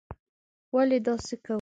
ولې داسې کوو.